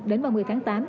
đến ba mươi tháng tám